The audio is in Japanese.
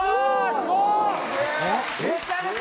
すごっ！